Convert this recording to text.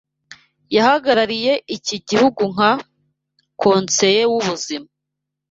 yahagarariye iki gihugu nka "Konseye w'ubuzima"